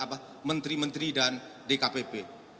apa menteri menteri dan dkpp